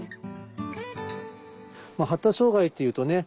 発達障害っていうとね